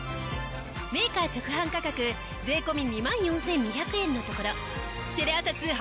メーカー直販価格税込２万４２００円のところテレ朝通販